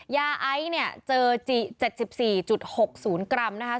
ยาไอซ์เนี่ยเจอ๗๔๖๐กรัมนะคะ